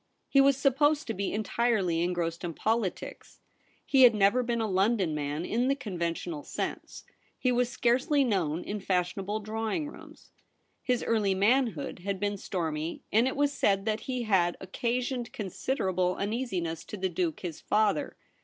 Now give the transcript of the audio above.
He was supposed to be entirely engrossed In politics. He had never been a London man in the conventional sense. He was scarcely known in fashionable drawing rooms. His early manhood had been stormy, and it was said that he had occasioned con siderable uneasiness to the Duke his father.